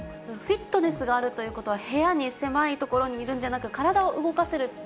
フィットネスがあるということは、部屋に、狭い所にいるんじゃなく、身体を動かせる。